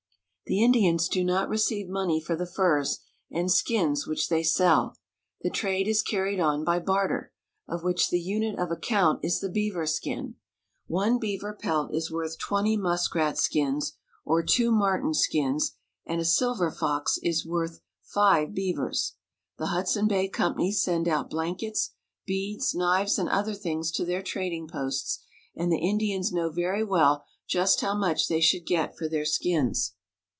The Indians do not re ceive money for the furs and skins which they sell. The trade is carried on by barter, of which the unit of account is the beaver skin. One beaver pelt is worth twenty muskrat skins or two marten skins, and a silver fox is worth five beavers. The 'Hudson Bay Company send out blankets, beads, knives, and other things to their trad ing posts, and the Indians know very well just how much they should get for their skins.